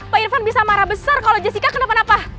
pak irfan bisa marah besar kalau jessica kenapa napa